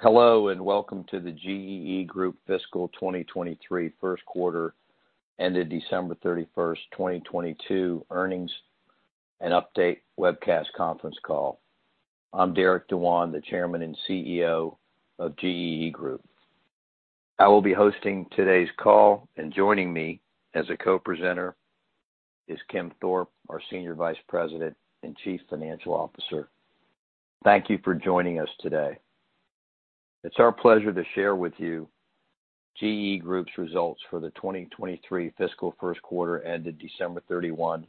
Hello, welcome to the GEE Group Fiscal 2023 First Quarter Ended December 31st, 2022 Earnings and Update Webcast Conference Call. I'm Derek Dewan, the Chairman and CEO of GEE Group. I will be hosting today's call, and joining me as a co-presenter is Kim Thorpe, our Senior Vice President and Chief Financial Officer. Thank you for joining us today. It's our pleasure to share with you GEE Group's results for the 2023 fiscal first quarter ended December 31,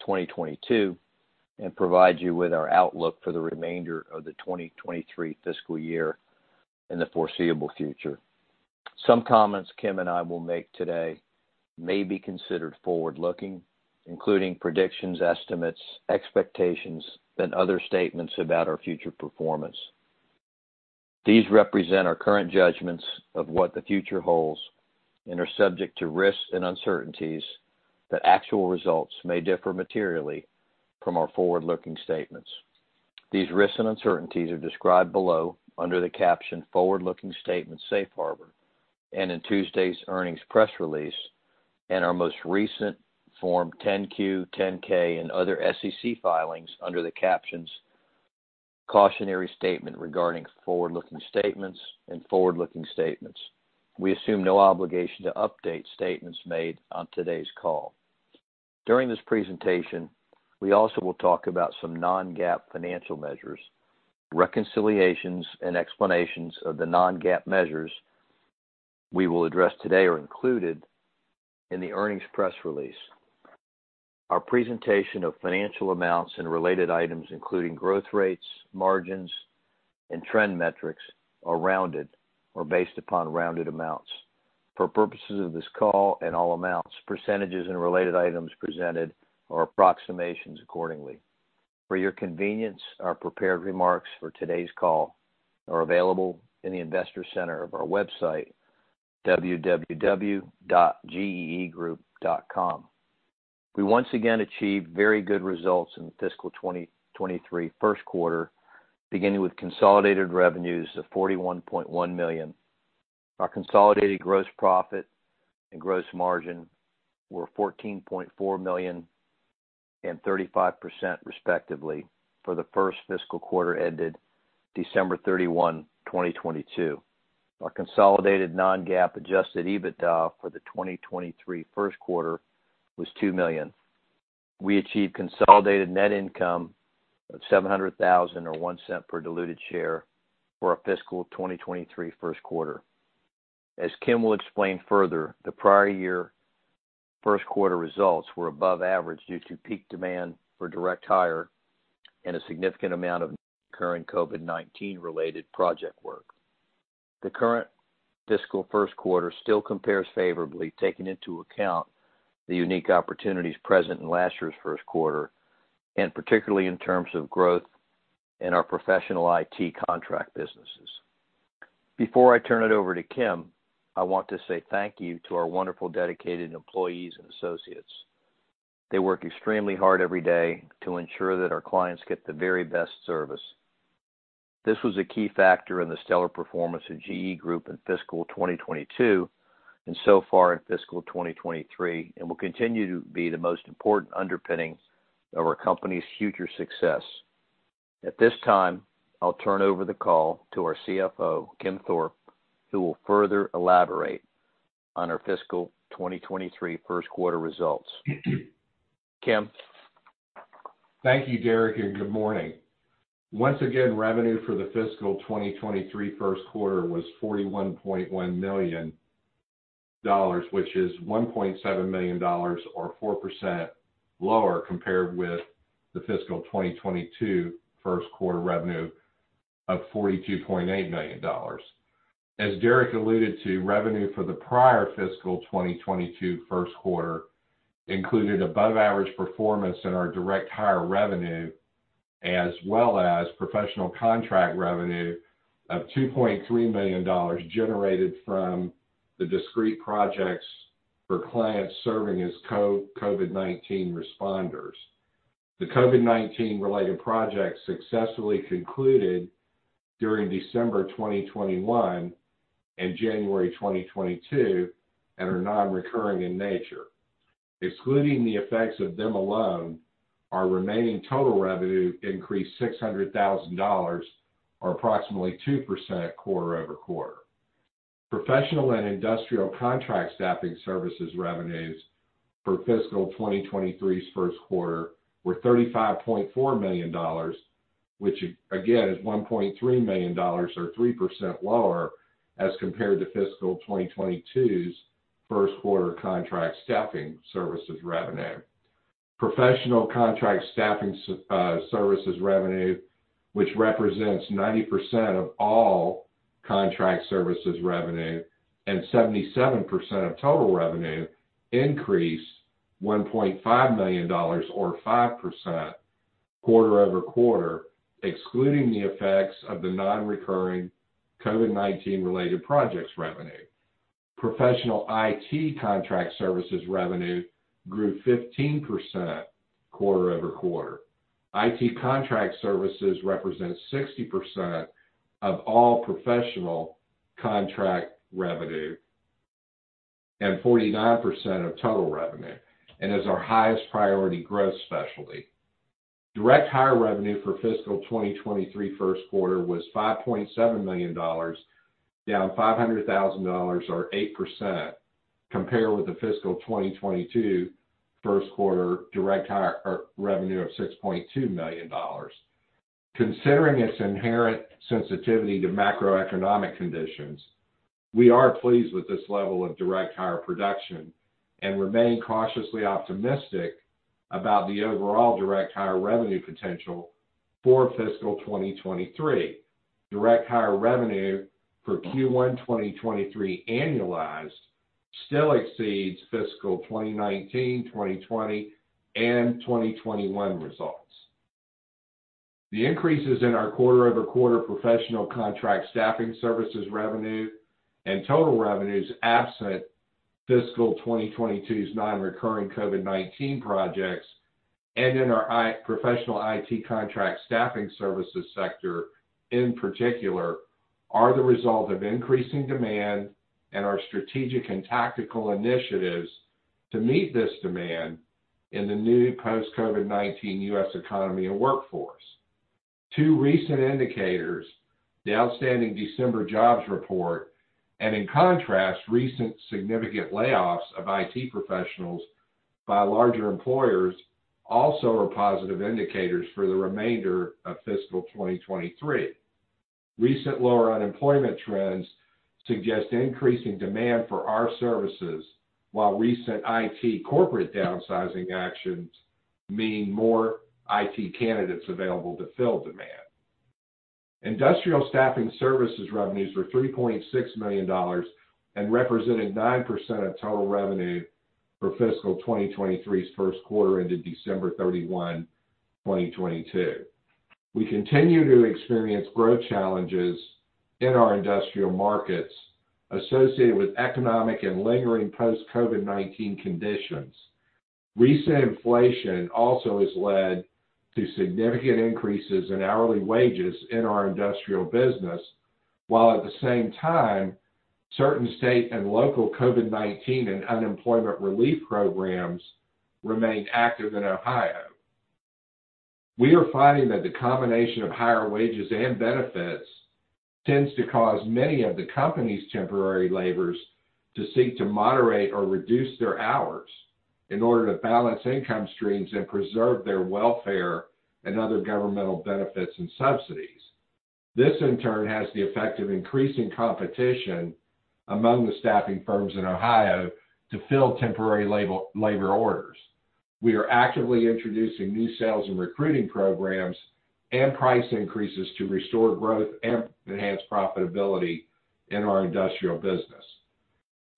2022, and provide you with our outlook for the remainder of the 2023 fiscal year in the foreseeable future. Some comments Kim and I will make today may be considered forward-looking, including predictions, estimates, expectations, and other statements about our future performance. These represent our current judgments of what the future holds and are subject to risks and uncertainties that actual results may differ materially from our forward-looking statements. These risks and uncertainties are described below under the caption Forward-looking Statements Safe Harbor, and in Tuesday's earnings press release and our most recent Form 10-Q, 10-K, and other SEC filings under the captions Cautionary Statement regarding forward-looking statements and forward-looking statements. We assume no obligation to update statements made on today's call. During this presentation, we also will talk about some non-GAAP financial measures. Reconciliations and explanations of the non-GAAP measures we will address today are included in the earnings press release. Our presentation of financial amounts and related items, including growth rates, margins, and trend metrics, are rounded or based upon rounded amounts. For purposes of this call and all amounts, percentages and related items presented are approximations accordingly. For your convenience, our prepared remarks for today's call are available in the investor center of our website, www.geegroup.com. We once again achieved very good results in the fiscal 2023 first quarter, beginning with consolidated revenues of $41.1 million. Our consolidated gross profit and gross margin were $14.4 million and 35% respectively for the first fiscal quarter ended December 31, 2022. Our consolidated non-GAAP adjusted EBITDA for the 2023 first quarter was $2 million. We achieved consolidated net income of $700,000 or $0.01 per diluted share for our fiscal 2023 first quarter. As Kim Thorpe will explain further, the prior year first quarter results were above average due to peak demand for direct hire and a significant amount of recurring COVID-19-related project work. The current fiscal first quarter still compares favorably, taking into account the unique opportunities present in last year's first quarter, and particularly in terms of growth in our professional IT Contract businesses. Before I turn it over to Kim, I want to say thank you to our wonderful dedicated employees and associates. They work extremely hard every day to ensure that our clients get the very best service. This was a key factor in the stellar performance of GEE Group in fiscal 2022 and so far in fiscal 2023, and will continue to be the most important underpinning of our company's future success. At this time, I'll turn over the call to our CFO, Kim Thorpe, who will further elaborate on our fiscal 2023 first quarter results. Kim? Thank you, Derek. Good morning. Once again, revenue for the fiscal 2023 first quarter was $41.1 million, which is $1.7 million or 4% lower compared with the fiscal 2022 first quarter revenue of $42.8 million. As Derek alluded to, revenue for the prior fiscal 2022 first quarter included above average performance in our direct hire revenue, as well as professional contract revenue of $2.3 million generated from the discrete projects for clients serving as COVID-19 responders. The COVID-19-related projects successfully concluded during December 2021 and January 2022 and are non-recurring in nature. Excluding the effects of them alone, our remaining total revenue increased $600,000 or approximately 2% quarter-over-quarter. Professional and industrial contract staffing services revenues for fiscal 2023's first quarter were $35.4 million, which again is $1.3 million or 3% lower as compared to fiscal 2022's first quarter contract staffing services revenue. Professional contract staffing services revenue, which represents 90% of all contract services revenue and 77% of total revenue, increased $1.5 million or 5% quarter-over-quarter, excluding the effects of the non-recurring COVID-19-related projects revenue. Professional IT contract services revenue grew 15% quarter-over-quarter. IT contract services represents 60% of all professional contract revenue and 49% of total revenue, and is our highest priority growth specialty. Direct hire revenue for fiscal 2023 first quarter was $5.7 million, down $500,000 or 8% compared with the fiscal 2022 first quarter direct hire revenue of $6.2 million. Considering its inherent sensitivity to macroeconomic conditions, we are pleased with this level of direct hire production and remain cautiously optimistic about the overall direct hire revenue potential for fiscal 2023. Direct hire revenue for Q1 2023 annualized still exceeds fiscal 2019, 2020, and 2021 results. The increases in our quarter-over-quarter professional contract staffing services revenue and total revenues, absent fiscal 2022's non-recurring COVID-19 projects, and in our professional IT contract staffing services sector in particular, are the result of increasing demand and our strategic and tactical initiatives to meet this demand in the new post-COVID-19 U.S. economy and workforce. Two recent indicators, the outstanding December jobs report, and in contrast, recent significant layoffs of IT professionals by larger employers also are positive indicators for the remainder of fiscal 2023. Recent lower unemployment trends suggest increasing demand for our services, while recent IT corporate downsizing actions mean more IT candidates available to fill demand. Industrial staffing services revenues were $3.6 million and represented 9% of total revenue for fiscal 2023's first quarter ended December 31, 2022. We continue to experience growth challenges in our industrial markets associated with economic and lingering post-COVID-19 conditions. Recent inflation also has led to significant increases in hourly wages in our industrial business, while at the same time, certain state and local COVID-19 and unemployment relief programs remain active in Ohio. We are finding that the combination of higher wages and benefits tends to cause many of the company's temporary laborers to seek to moderate or reduce their hours in order to balance income streams and preserve their welfare and other governmental benefits and subsidies. This, in turn, has the effect of increasing competition among the staffing firms in Ohio to fill temporary labor orders. We are actively introducing new sales and recruiting programs and price increases to restore growth and enhance profitability in our industrial business.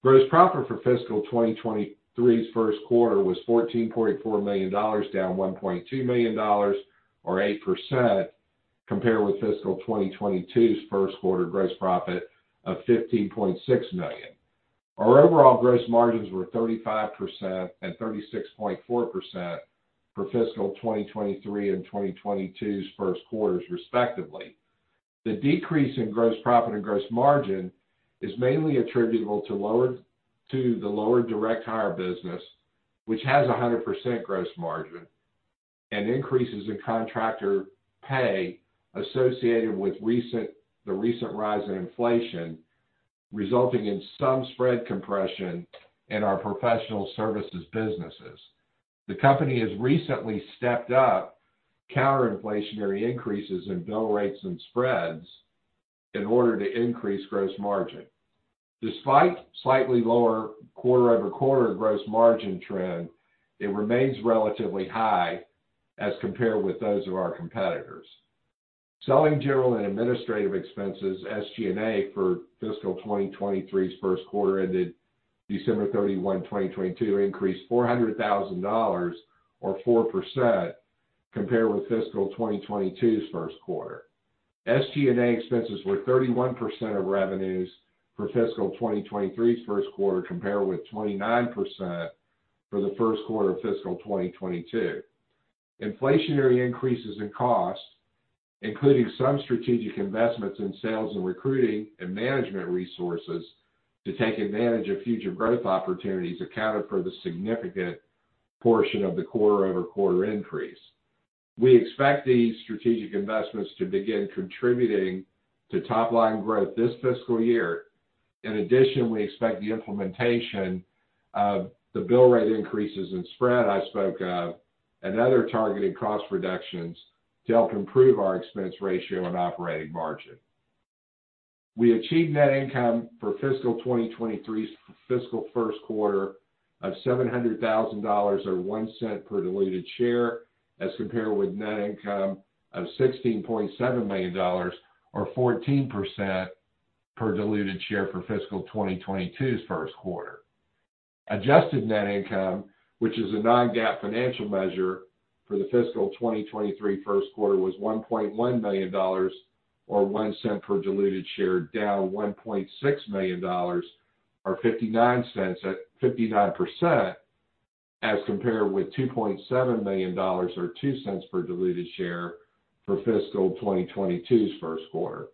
Gross profit for fiscal 2023's first quarter was $14.4 million, down $1.2 million or 8% compared with fiscal 2022's first quarter gross profit of $15.6 million. Our overall gross margins were 35% and 36.4% for fiscal 2023 and 2022's first quarters, respectively. The decrease in gross profit and gross margin is mainly attributable to the lower direct hire business, which has a 100% gross margin, and increases in contractor pay associated with the recent rise in inflation, resulting in some spread compression in our professional services businesses. The company has recently stepped up counter-inflationary increases in bill rates and spreads in order to increase gross margin. Despite slightly lower quarter-over-quarter gross margin trend, it remains relatively high as compared with those of our competitors. Selling, general, and administrative expenses, SG&A, for fiscal 2023's first quarter ended December 31, 2022, increased $400,000 or 4% compared with fiscal 2022's first quarter. SG&A expenses were 31% of revenues for fiscal 2023's first quarter compared with 29% for the first quarter of fiscal 2022. Inflationary increases in costs, including some strategic investments in sales and recruiting and management resources to take advantage of future growth opportunities, accounted for the significant portion of the quarter-over-quarter increase. We expect these strategic investments to begin contributing to top-line growth this fiscal year. In addition, we expect the implementation of the bill rate increases and spread I spoke of and other targeted cost reductions to help improve our expense ratio and operating margin. We achieved net income for fiscal 2023's fiscal first quarter of $700,000 or $0.01 per diluted share as compared with net income of $16.7 million or 14% per diluted share for fiscal 2022's first quarter. Adjusted net income, which is a non-GAAP financial measure for the fiscal 2023 first quarter, was $1.1 million or $0.01 per diluted share, down $1.6 million or $0.59 at 59% as compared with $2.7 million or $0.02 per diluted share for fiscal 2022's first quarter.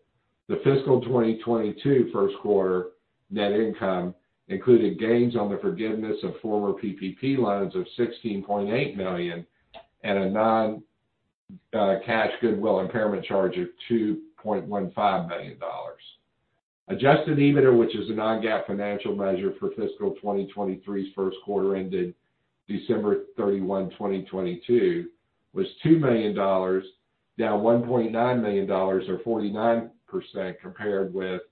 The fiscal 2022 first quarter net income included gains on the forgiveness of former PPP loans of $16.8 million and a non-cash goodwill impairment charge of $2.15 million. Adjusted EBITDA, which is a non-GAAP financial measure for fiscal 2023's first quarter ended December 31, 2022, was $2 million, down $1.9 million or 49% compared with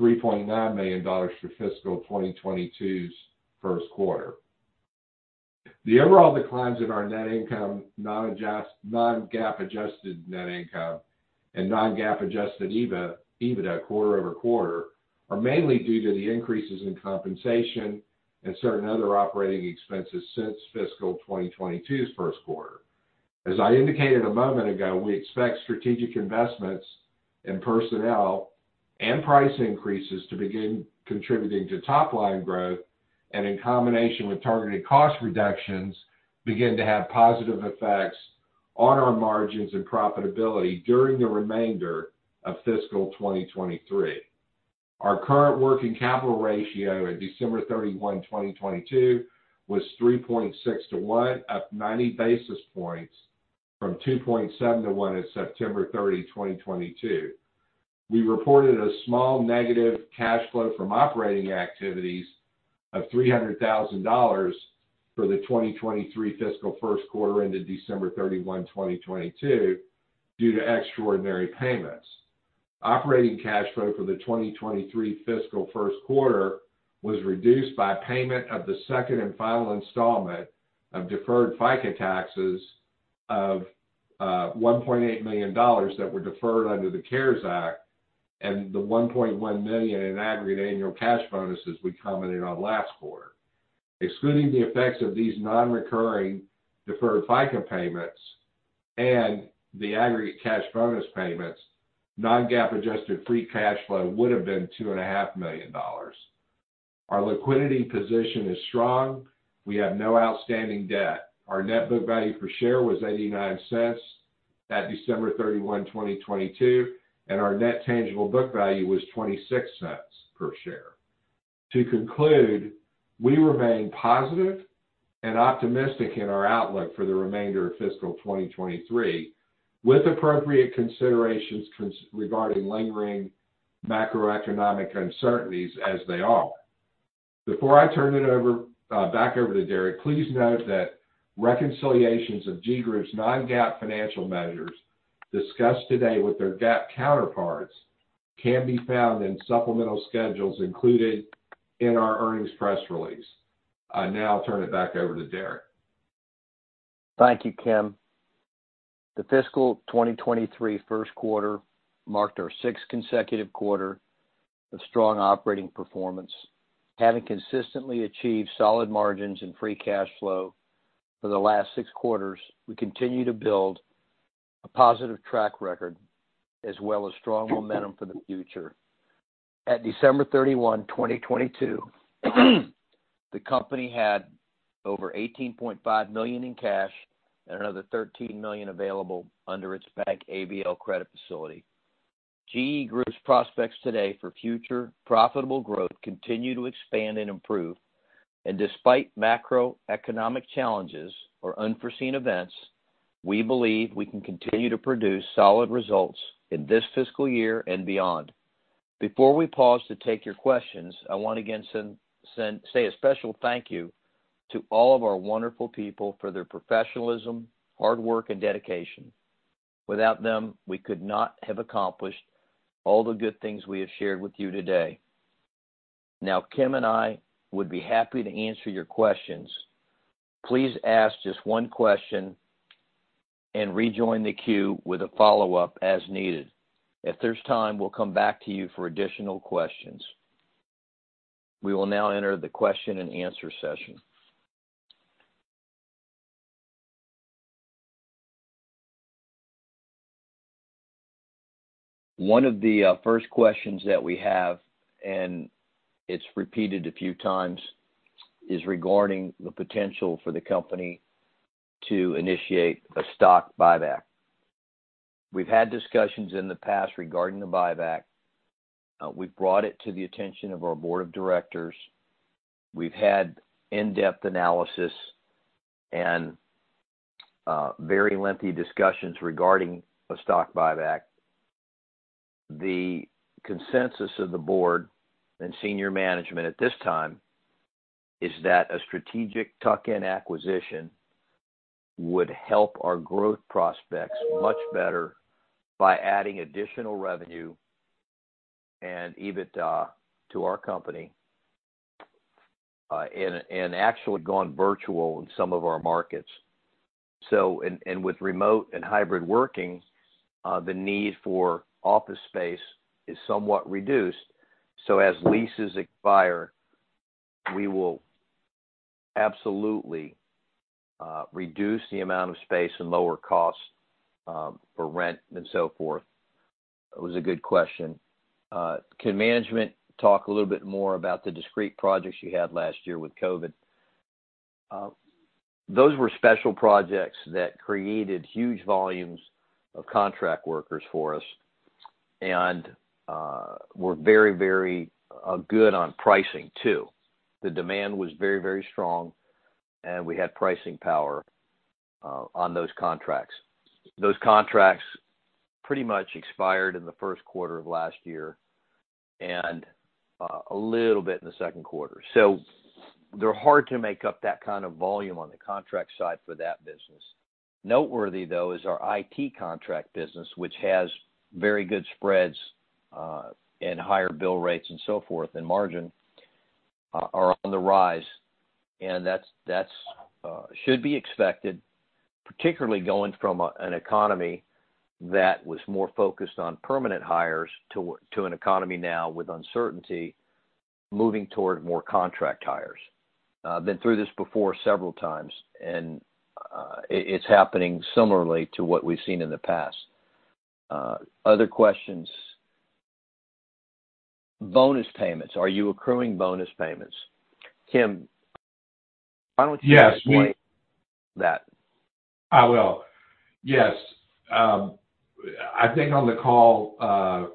$3.9 million for fiscal 2022's first quarter. The overall declines in our net income, non-GAAP-adjusted net income and non-GAAP-adjusted EBITDA quarter-over-quarter are mainly due to the increases in compensation and certain other operating expenses since fiscal 2022's first quarter. As I indicated a moment ago, we expect strategic investments in personnel and price increases to begin contributing to top-line growth and in combination with targeted cost reductions, begin to have positive effects on our margins and profitability during the remainder of fiscal 2023. Our current working capital ratio at December 31, 2022, was 3.6 to 1, up 90 basis points from 2.7 to 1 at September 30, 2022. We reported a small negative cash flow from operating activities of $300,000 for the 2023 fiscal first quarter ended December 31, 2022, due to extraordinary payments. Operating cash flow for the 2023 fiscal first quarter was reduced by payment of the second and final installment of deferred FICA taxes of $1.8 million that were deferred under the CARES Act and the $1.1 million in aggregate annual cash bonuses we commented on last quarter. Excluding the effects of these non-recurring deferred FICA payments and the aggregate cash bonus payments, non-GAAP-adjusted free cash flow would have been two and a half million dollars. Our liquidity position is strong. We have no outstanding debt. Our net book value per share was $0.89 at December 31, 2022, and our net tangible book value was $0.26 per share. To conclude, we remain positive and optimistic in our outlook for the remainder of fiscal 2023, with appropriate considerations regarding lingering macroeconomic uncertainties as they are. Before I turn it over back over to Derek, please note that reconciliations of GEE Group's non-GAAP financial measures discussed today with their GAAP counterparts can be found in supplemental schedules included in our earnings press release. I now turn it back over to Derek. Thank you, Kim. The fiscal 2023 first quarter marked our sixth consecutive quarter of strong operating performance. Having consistently achieved solid margins and free cash flow for the last six quarters, we continue to build a positive track record as well as strong momentum for the future. At December 31, 2022, the company had over $18.5 million in cash and another $13 million available under its bank ABL credit facility. GEE Group's prospects today for future profitable growth continue to expand and improve. Despite macroeconomic challenges or unforeseen events, we believe we can continue to produce solid results in this fiscal year and beyond. Before we pause to take your questions, I want to again say a special thank you to all of our wonderful people for their professionalism, hard work, and dedication. Without them, we could not have accomplished all the good things we have shared with you today. Kim and I would be happy to answer your questions. Please ask just one question and rejoin the queue with a follow-up as needed. If there's time, we'll come back to you for additional questions. We will now enter the question and answer session. One of the first questions that we have, and it's repeated a few times, is regarding the potential for the company to initiate a stock buyback. We've had discussions in the past regarding the buyback. We've brought it to the attention of our board of directors. We've had in-depth analysis and very lengthy discussions regarding a stock buyback. The consensus of the board and senior management at this time is that a strategic tuck-in acquisition would help our growth prospects much better by adding additional revenue and EBITDA to our company, and actually gone virtual in some of our markets. With remote and hybrid working, the need for office space is somewhat reduced. As leases expire, we will absolutely reduce the amount of space and lower costs for rent and so forth. It was a good question. Can management talk a little bit more about the discrete projects you had last year with COVID? Those were special projects that created huge volumes of contract workers for us and were very, very good on pricing too. The demand was very, very strong, and we had pricing power on those contracts. Those contracts pretty much expired in the first quarter of last year, a little bit in the second quarter. They're hard to make up that kind of volume on the contract side for that business. Noteworthy, though, is our IT contract business, which has very good spreads, and higher bill rates and so forth, and margin, are on the rise. That's should be expected, particularly going from an economy that was more focused on permanent hires to an economy now with uncertainty moving toward more contract hires. Been through this before several times, and it's happening similarly to what we've seen in the past. Other questions. Bonus payments. Are you accruing bonus payments? Kim, why don't you- Yes. explain that. I will. Yes. I think on the call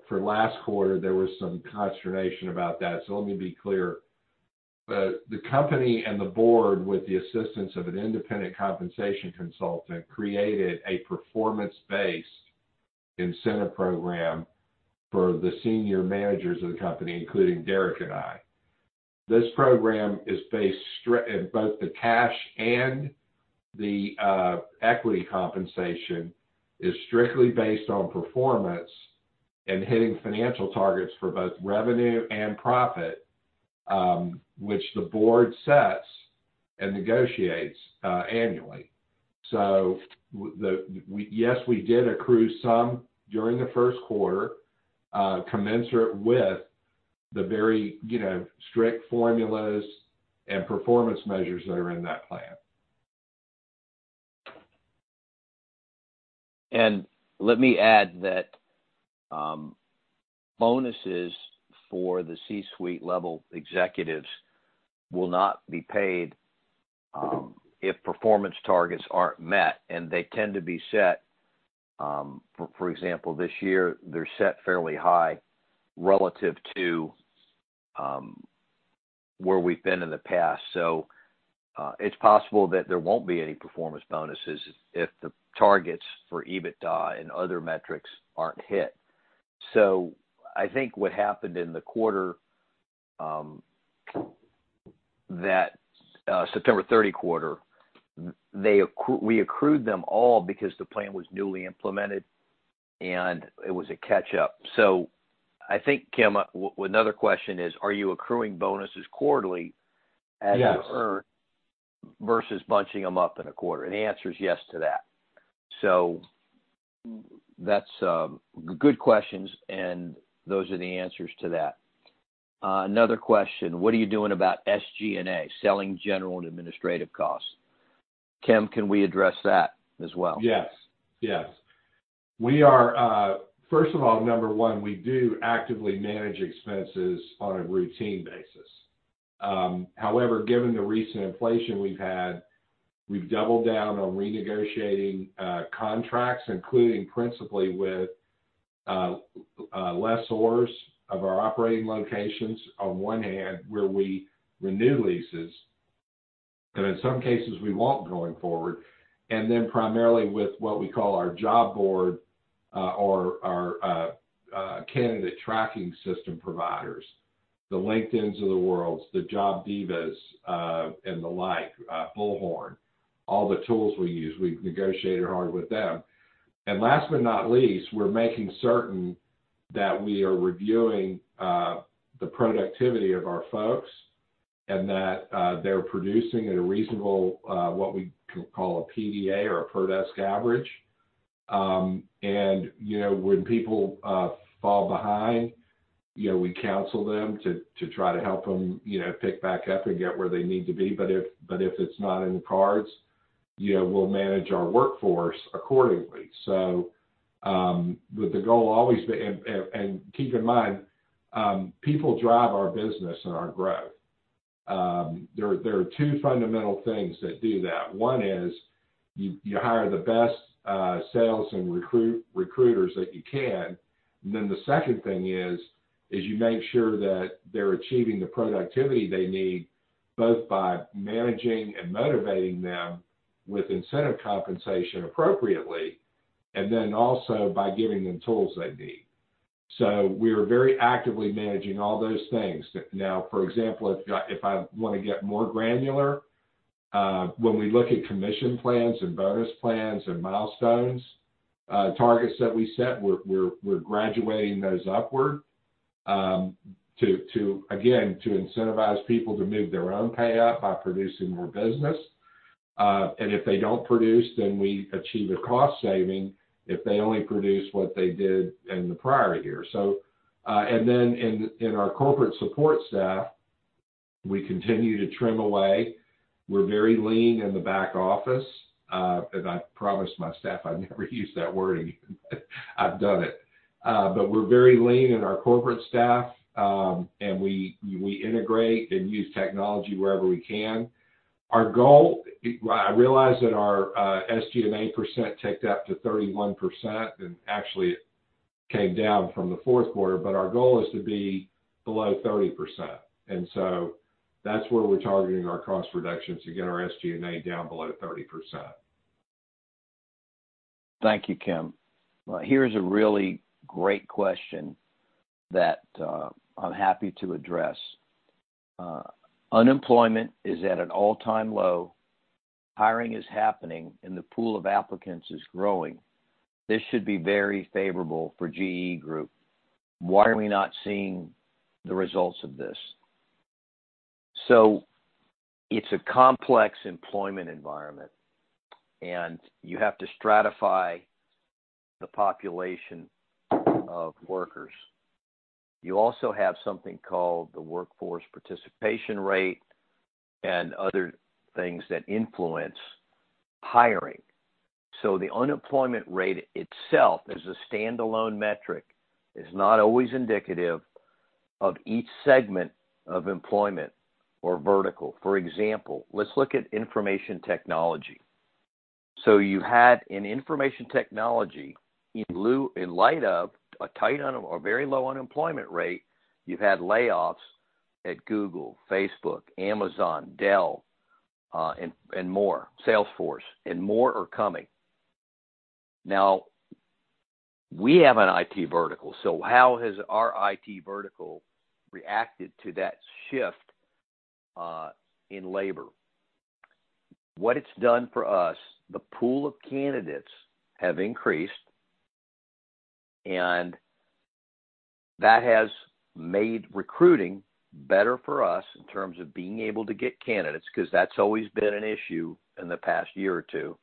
for last quarter, there was some consternation about that. Let me be clear. The company and the board, with the assistance of an independent compensation consultant, created a performance-based incentive program for the senior managers of the company, including Derek and I. This program is based both the cash and the equity compensation is strictly based on performance and hitting financial targets for both revenue and profit, which the board sets and negotiates annually. Yes, we did accrue some during the first quarter, commensurate with the very, you know, strict formulas and performance measures that are in that plan. Let me add that bonuses for the C-suite level executives will not be paid if performance targets aren't met, and they tend to be set, for example, this year, they're set fairly high relative to where we've been in the past. It's possible that there won't be any performance bonuses if the targets for EBITDA and other metrics aren't hit. I think what happened in the quarter, that September 30 quarter, we accrued them all because the plan was newly implemented, and it was a catch-up. I think, Kim, another question is, are you accruing bonuses quarterly? Yes. ...as you earn versus bunching them up in a quarter? The answer is yes to that. That's good questions, and those are the answers to that. Another question. What are you doing about SG&A, selling general and administrative costs? Kim, can we address that as well? Yes. Yes. We are, first of all, number one, we do actively manage expenses on a routine basis. However, given the recent inflation we've had, we've doubled down on renegotiating contracts, including principally with lessors of our operating locations on one hand, where we renew leases, and in some cases, we won't going forward. Primarily with what we call our job board, or our candidate tracking system providers. The LinkedIns of the worlds, the JobDiva, and the like, Bullhorn, all the tools we use, we've negotiated hard with them. Last but not least, we're making certain that we are reviewing the productivity of our folks and that they're producing at a reasonable what we call a PDA or a per desk average. You know, when people fall behind, you know, we counsel them to try to help them, you know, pick back up and get where they need to be. If it's not in the cards, you know, we'll manage our workforce accordingly. Keep in mind, people drive our business and our growth. There are two fundamental things that do that. One is you hire the best sales and recruiters that you can. Then the second thing is you make sure that they're achieving the productivity they need, both by managing and motivating them with incentive compensation appropriately, and then also by giving them tools they need. We are very actively managing all those things. Now, for example, if I want to get more granular, when we look at commission plans and bonus plans and milestones, targets that we set, we're graduating those upward. To again, to incentivize people to move their own pay up by producing more business. And if they don't produce, then we achieve a cost saving if they only produce what they did in the prior year. In our corporate support staff, we continue to trim away. We're very lean in the back office. And I promised my staff I'd never use that word again, but I've done it. But we're very lean in our corporate staff, and we integrate and use technology wherever we can. Our goal I realize that our SG&A percent ticked up to 31%, actually it came down from the fourth quarter. Our goal is to be below 30%. That's where we're targeting our cost reductions to get our SG&A down below 30%. Thank you, Kim. Here's a really great question that I'm happy to address. Unemployment is at an all-time low. Hiring is happening, and the pool of applicants is growing. This should be very favorable for GEE Group. Why are we not seeing the results of this? It's a complex employment environment, and you have to stratify the population of workers. You also have something called the workforce participation rate and other things that influence hiring. The unemployment rate itself, as a standalone metric, is not always indicative of each segment of employment or vertical. For example, let's look at information technology. You had, in information technology, in light of a tight or very low unemployment rate, you've had layoffs at Google, Facebook, Amazon, Dell, and more. Salesforce and more are coming. We have an IT vertical, so how has our IT vertical reacted to that shift in labor? What it's done for us, the pool of candidates have increased, and that has made recruiting better for us in terms of being able to get candidates, 'cause that's always been an issue in the past year or two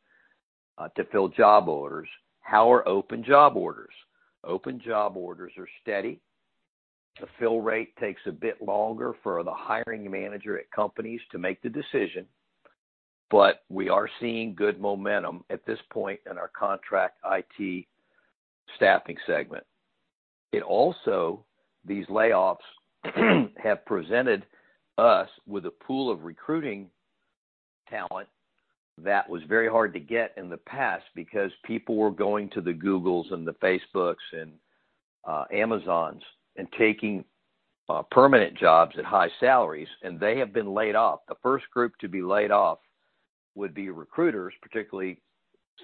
to fill job orders. How are open job orders? Open job orders are steady. The fill rate takes a bit longer for the hiring manager at companies to make the decision, but we are seeing good momentum at this point in our contract IT staffing segment. These layoffs have presented us with a pool of recruiting talent that was very hard to get in the past because people were going to the Googles and the Facebooks and Amazons and taking permanent jobs at high salaries, and they have been laid off. The first group to be laid off would be recruiters, particularly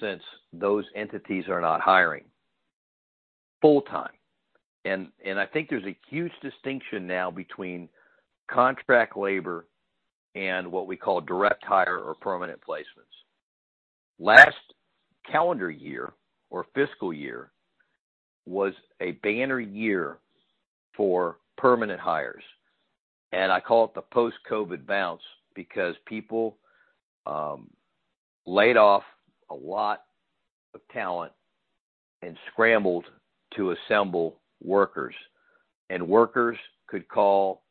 since those entities are not hiring full-time. I think there's a huge distinction now between contract labor and what we call direct hire or permanent placements. Last calendar year or fiscal year was a banner year for permanent hires, and I call it the post-COVID bounce because people laid off a lot of talent and scrambled to assemble workers. Workers could call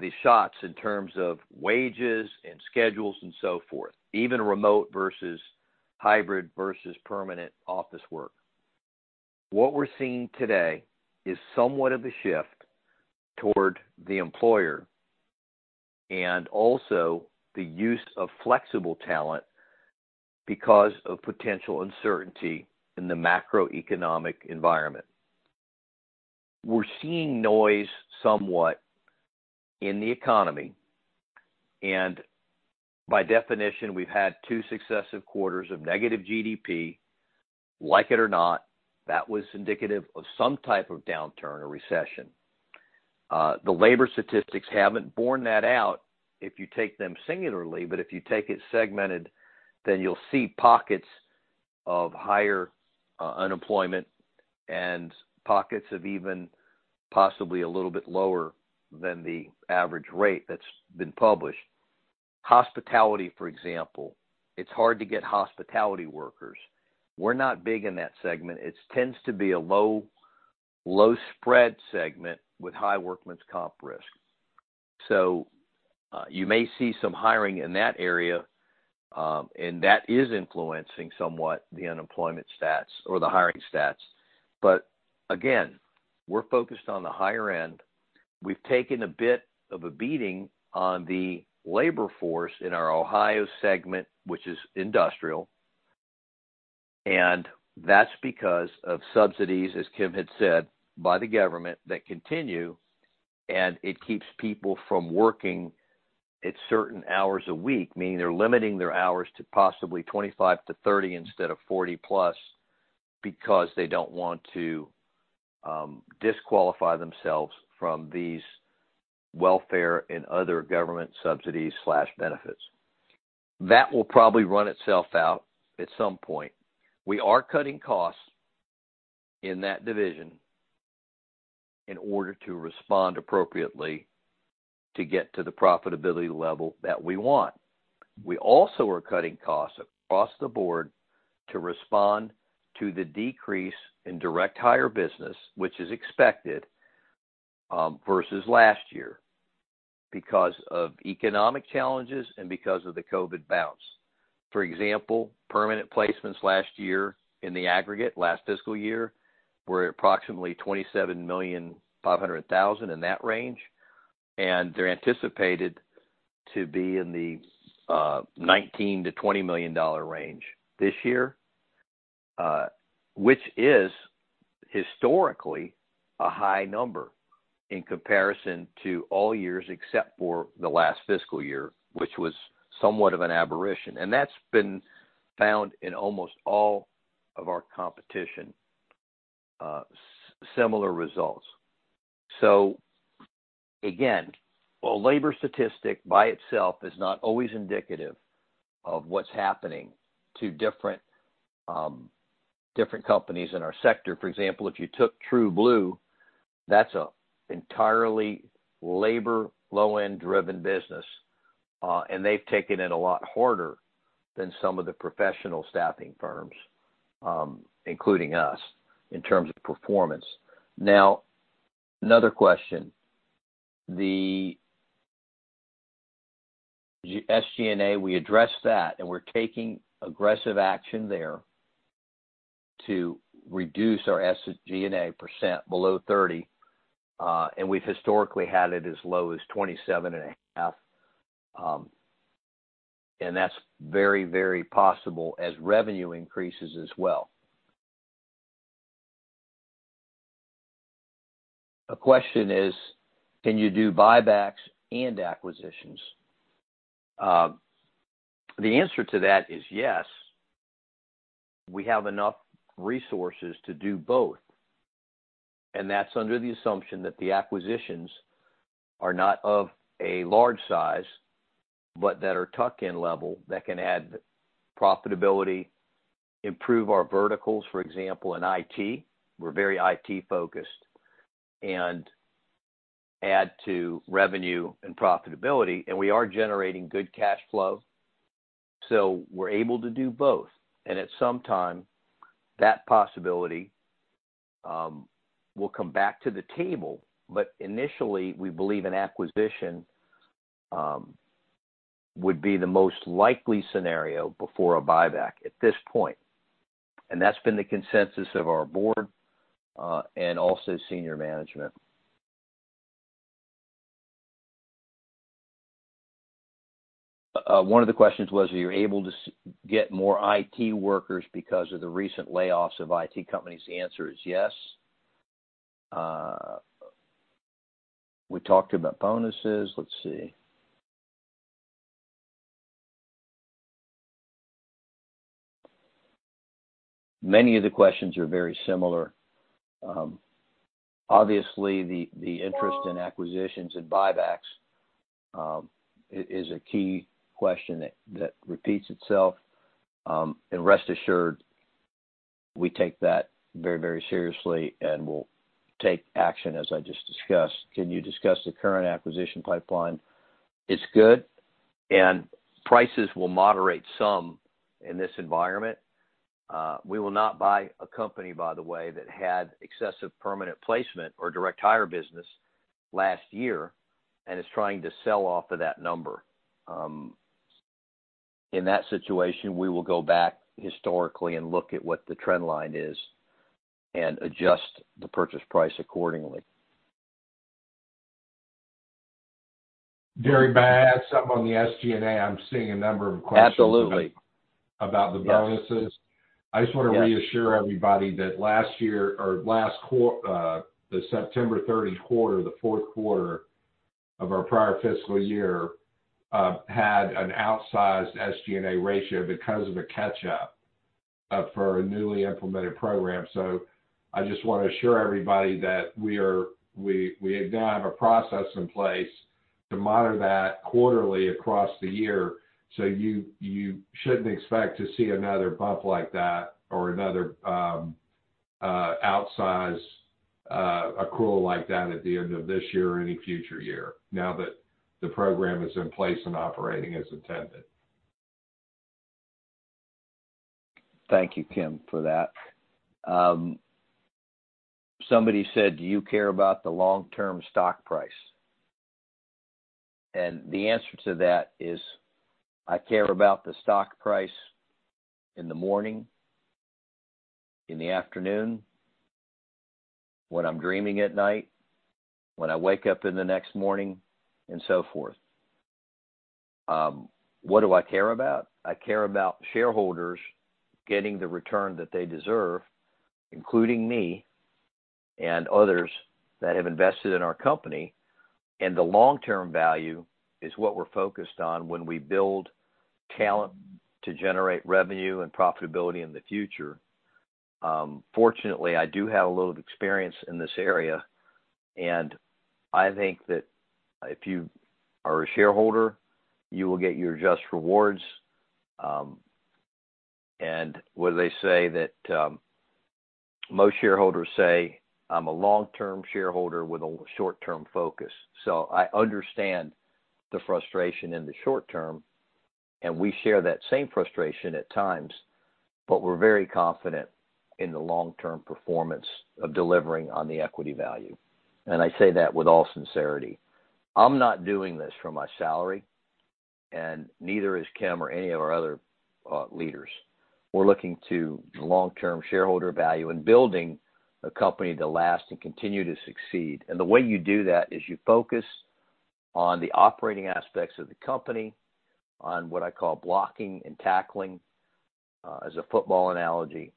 the shots in terms of wages and schedules and so forth, even remote versus hybrid versus permanent office work. What we're seeing today is somewhat of a shift toward the employer and also the use of flexible talent because of potential uncertainty in the macroeconomic environment. We're seeing noise somewhat in the economy, and by definition, we've had two successive quarters of negative GDP. Like it or not, that was indicative of some type of downturn or recession. The labor statistics haven't borne that out if you take them singularly, but if you take it segmented, then you'll see pockets of higher unemployment and pockets of even possibly a little bit lower than the average rate that's been published. Hospitality, for example. It's hard to get hospitality workers. We're not big in that segment. It tends to be a low, low spread segment with high workman's comp risk. You may see some hiring in that area, and that is influencing somewhat the unemployment stats or the hiring stats. Again, we're focused on the higher end. We've taken a bit of a beating on the labor force in our Ohio segment, which is industrial, and that's because of subsidies, as Kim had said, by the government, that continue. It keeps people from working at certain hours a week, meaning they're limiting their hours to possibly 25 to 30 instead of 40+ because they don't want to disqualify themselves from these welfare and other government subsidies/benefits. That will probably run itself out at some point. We are cutting costs in that division in order to respond appropriately to get to the profitability level that we want. We also are cutting costs across the board to respond to the decrease in direct hire business, which is expected versus last year because of economic challenges and because of the COVID bounce. For example, permanent placements last year in the aggregate, last fiscal year, were approximately $27.5 million, in that range, and they're anticipated to be in the $19 million-$20 million range this year, which is historically a high number in comparison to all years except for the last fiscal year, which was somewhat of an aberration. That's been found in almost all of our competition, similar results. Again, while labor statistic by itself is not always indicative of what's happening to different companies in our sector. For example, if you took TrueBlue, that's a entirely labor low-end-driven business, and they've taken it a lot harder than some of the professional staffing firms, including us, in terms of performance. Now, another question. SG&A, we addressed that, and we're taking aggressive action there to reduce our SG&A % below 30, and we've historically had it as low as 27.5, and that's very, very possible as revenue increases as well. A question is, can you do buybacks and acquisitions? The answer to that is yes. We have enough resources to do both, and that's under the assumption that the acquisitions are not of a large size, but that are tuck-in level, that can add profitability, improve our verticals, for example, in IT, we're very IT-focused, and add to revenue and profitability. We are generating good cash flow, so we're able to do both. At some time, that possibility will come back to the table. Initially, we believe an acquisition would be the most likely scenario before a buyback at this point. That's been the consensus of our board and also senior management. One of the questions was, are you able to get more IT workers because of the recent layoffs of IT companies? The answer is yes. We talked about bonuses. Let's see. Many of the questions are very similar. Obviously the interest in acquisitions and buybacks is a key question that repeats itself. Rest assured, we take that very, very seriously and we'll take action as I just discussed. Can you discuss the current acquisition pipeline? It's good, and prices will moderate some in this environment. We will not buy a company, by the way, that had excessive permanent placement or direct hire business last year and is trying to sell off of that number. In that situation, we will go back historically and look at what the trend line is and adjust the purchase price accordingly. Derek, may I add something on the SG&A? I'm seeing a number of questions. Absolutely. About the bonuses. Yes. I just want to reassure everybody that last year or the September 30 quarter, the fourth quarter of our prior fiscal year, had an outsized SG&A ratio because of a catch-up, for a newly implemented program. I just want to assure everybody that we now have a process in place to monitor that quarterly across the year, so you shouldn't expect to see another bump like that or another outsized accrual like that at the end of this year or any future year now that the program is in place and operating as intended. Thank you, Kim, for that. Somebody said, "Do you care about the long-term stock price?" The answer to that is, I care about the stock price in the morning, in the afternoon, when I'm dreaming at night, when I wake up in the next morning, and so forth. What do I care about? I care about shareholders getting the return that they deserve, including me and others that have invested in our company. The long-term value is what we're focused on when we build talent to generate revenue and profitability in the future. Fortunately, I do have a little experience in this area, and I think that if you are a shareholder, you will get your just rewards. What do they say that most shareholders say I'm a long-term shareholder with a short-term focus. I understand the frustration in the short term, and we share that same frustration at times, but we're very confident in the long-term performance of delivering on the equity value. I say that with all sincerity. I'm not doing this for my salary, and neither is Kim or any of our other, leaders. We're looking to long-term shareholder value and building a company to last and continue to succeed. The way you do that is you focus on the operating aspects of the company, on what I call blocking and tackling, as a football analogy.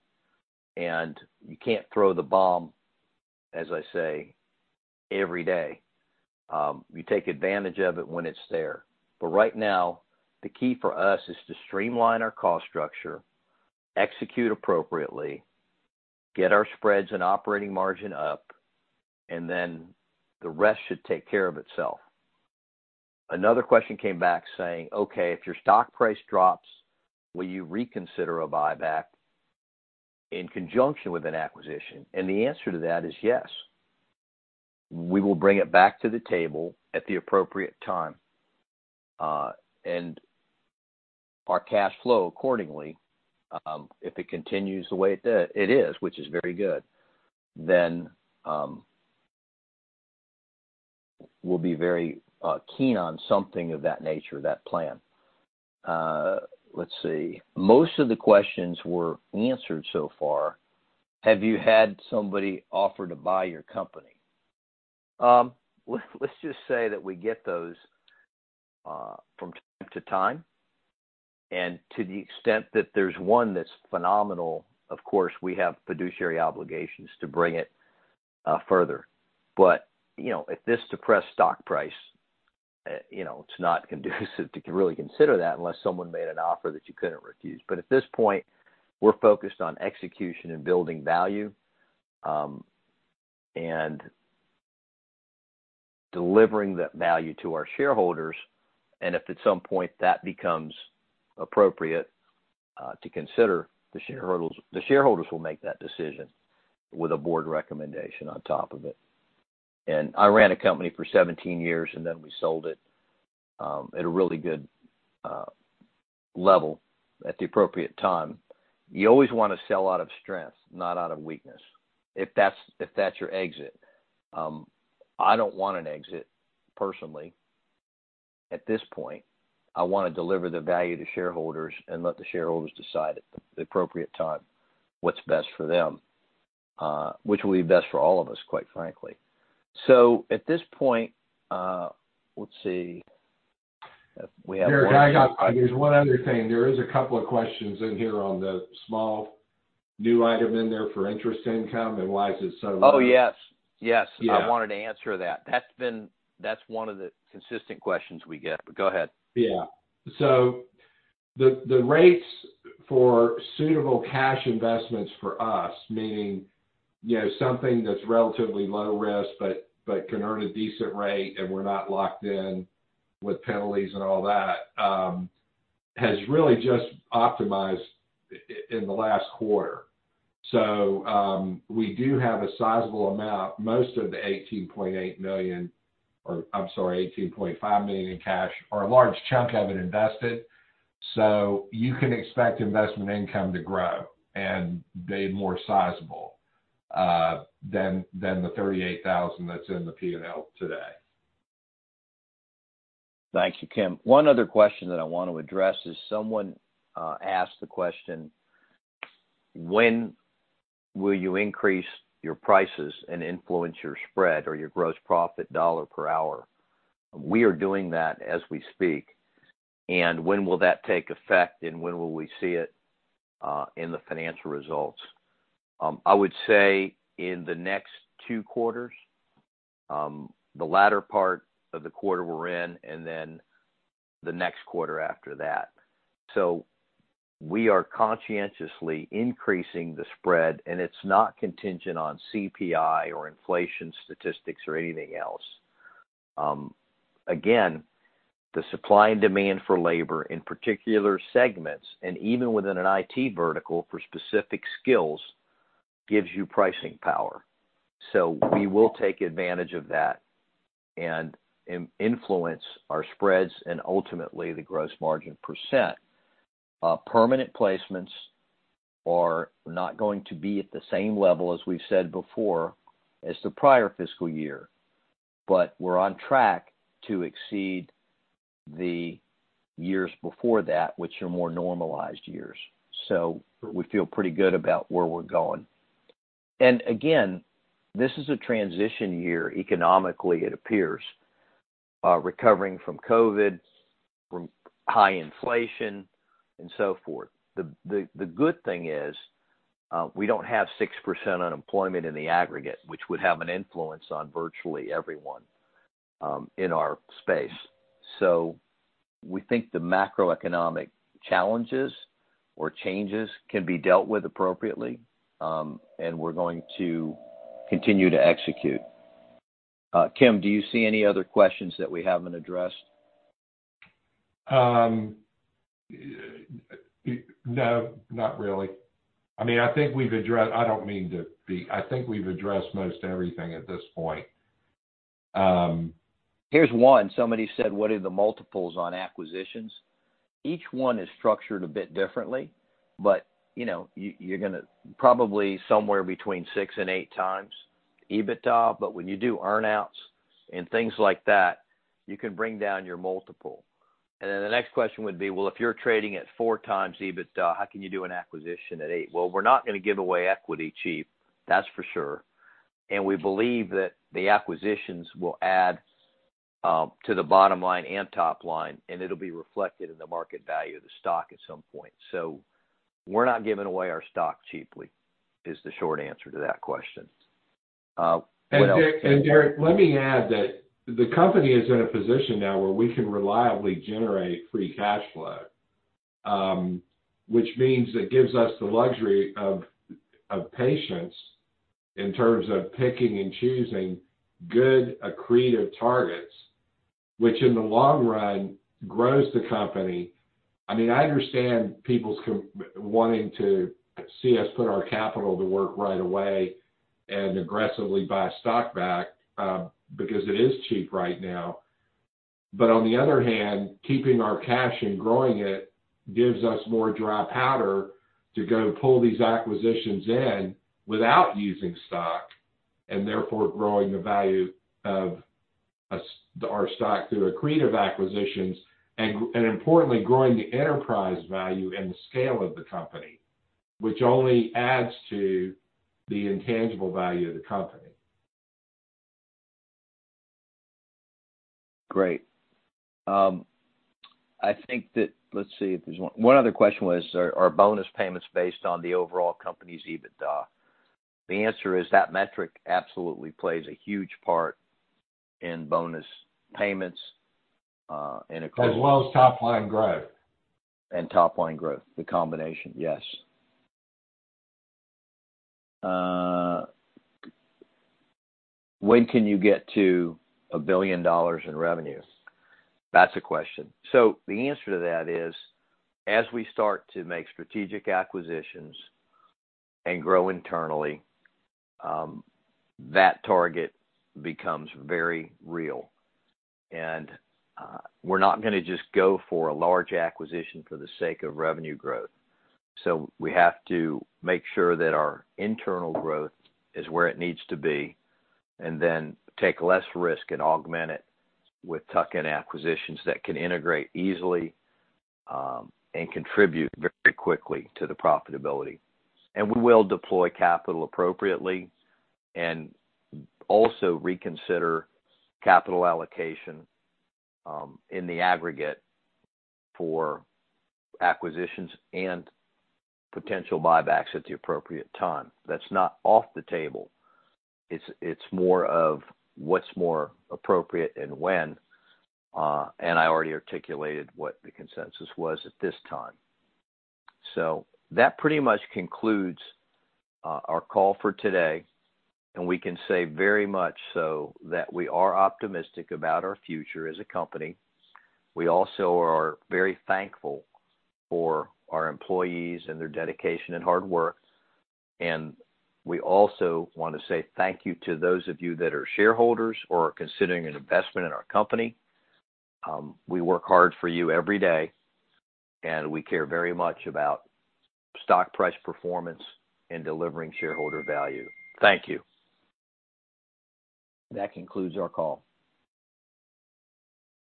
You can't throw the bomb, as I say, every day. You take advantage of it when it's there. Right now, the key for us is to streamline our cost structure, execute appropriately, get our spreads and operating margin up, and then the rest should take care of itself. Another question came back saying, "Okay, if your stock price drops, will you reconsider a buyback in conjunction with an acquisition?" The answer to that is yes. We will bring it back to the table at the appropriate time, and our cash flow accordingly, if it continues the way it is, which is very good, then, we'll be very keen on something of that nature, that plan. Let's see. Most of the questions were answered so far. Have you had somebody offer to buy your company? Let's just say that we get those from time to time. To the extent that there's one that's phenomenal, of course, we have fiduciary obligations to bring it further. You know, at this depressed stock price, you know, it's not conducive to really consider that unless someone made an offer that you couldn't refuse. At this point, we're focused on execution and building value, and delivering that value to our shareholders. If at some point that becomes appropriate, to consider, the shareholders will make that decision with a board recommendation on top of it. I ran a company for 17 years, and then we sold it, at a really good level at the appropriate time. You always want to sell out of strength, not out of weakness, if that's, if that's your exit. I don't want an exit personally. At this point, I want to deliver the value to shareholders and let the shareholders decide at the appropriate time what's best for them, which will be best for all of us, quite frankly. At this point, let's see if we have one. There's one other thing. There is a couple of questions in here on the small new item in there for interest income and why is it so low. Oh, yes. Yes. Yeah. I wanted to answer that. That's one of the consistent questions we get. Go ahead. Yeah. The rates for suitable cash investments for us, meaning, you know, something that's relatively low risk but can earn a decent rate, and we're not locked in with penalties and all that, has really just optimized in the last quarter. We do have a sizable amount, most of the $18.8 million, or I'm sorry, $18.5 million in cash or a large chunk of it invested. You can expect investment income to grow and be more sizable than the $38,000 that's in the P&L today. Thank you, Kim. One other question that I want to address is someone asked the question, when will you increase your prices and influence your spread or your gross profit dollar per hour? We are doing that as we speak. When will that take effect, and when will we see it in the financial results? I would say in the next two quarters, the latter part of the quarter we're in and then the next quarter after that. We are conscientiously increasing the spread, and it's not contingent on CPI or inflation statistics or anything else. Again, the supply and demand for labor, in particular segments, and even within an IT vertical for specific skills, gives you pricing power. We will take advantage of that and in-influence our spreads and ultimately the gross margin %. Permanent placements are not going to be at the same level, as we've said before, as the prior fiscal year. We're on track to exceed the years before that, which are more normalized years. We feel pretty good about where we're going. Again, this is a transition year economically, it appears, recovering from COVID, from high inflation and so forth. The, the good thing is, we don't have 6% unemployment in the aggregate, which would have an influence on virtually everyone. In our space. We think the macroeconomic challenges or changes can be dealt with appropriately, and we're going to continue to execute. Kim, do you see any other questions that we haven't addressed? No, not really. I mean, I think we've addressed most everything at this point. Here's one. Somebody said, "What are the multiples on acquisitions?" Each one is structured a bit differently, you know, you're gonna probably somewhere between 6x and 8x EBITDA. When you do earn outs and things like that, you can bring down your multiple. The next question would be, well, if you're trading at 4x EBITDA, how can you do an acquisition at 8? We're not gonna give away equity cheap, that's for sure. We believe that the acquisitions will add to the bottom line and top line, and it'll be reflected in the market value of the stock at some point. We're not giving away our stock cheaply is the short answer to that question. What else, Kim? Derek, let me add that the company is in a position now where we can reliably generate free cash flow, which means it gives us the luxury of patience in terms of picking and choosing good accretive targets, which in the long run grows the company. I mean, I understand people's wanting to see us put our capital to work right away and aggressively buy stock back, because it is cheap right now. But on the other hand, keeping our cash and growing it gives us more dry powder to go pull these acquisitions in without using stock, and therefore growing the value of our stock through accretive acquisitions and importantly, growing the enterprise value and the scale of the company, which only adds to the intangible value of the company. Great. I think that one other question was, "Are bonus payments based on the overall company's EBITDA?" The answer is that metric absolutely plays a huge part in bonus payments. As well as top line growth. Top line growth. The combination, yes. When can you get to $1 billion in revenue? That's a question. The answer to that is, as we start to make strategic acquisitions and grow internally, that target becomes very real. We're not gonna just go for a large acquisition for the sake of revenue growth. We have to make sure that our internal growth is where it needs to be, and then take less risk and augment it with tuck-in acquisitions that can integrate easily and contribute very quickly to the profitability. We will deploy capital appropriately and also reconsider capital allocation in the aggregate for acquisitions and potential buybacks at the appropriate time. That's not off the table. It's, it's more of what's more appropriate and when, and I already articulated what the consensus was at this time. That pretty much concludes our call for today. We can say very much so that we are optimistic about our future as a company. We also are very thankful for our employees and their dedication and hard work. We also want to say thank you to those of you that are shareholders or are considering an investment in our company. We work hard for you every day, and we care very much about stock price performance and delivering shareholder value. Thank you. That concludes our call.